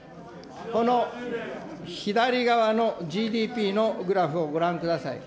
この左側のＧＤＰのグラフをご覧ください。